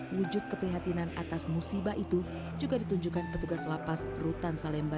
wujud keprihatinan atas musibah itu juga ditunjukkan petugas lapas rutan salemba